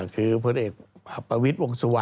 คือพระฟังอ่าวิทธิ์วงศวร